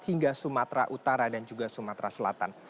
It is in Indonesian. hingga sumatera utara dan juga sumatera selatan